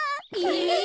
え！